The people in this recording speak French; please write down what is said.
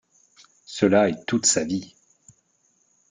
Cela est toute sa vie.